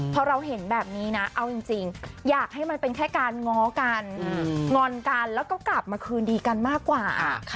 พอเราเห็นแบบนี้นะเอาจริงอยากให้มันเป็นแค่การง้อกันงอนกันแล้วก็กลับมาคืนดีกันมากกว่า